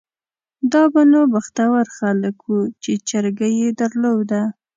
دا به نو بختور خلک وو چې چرګۍ یې درلوده.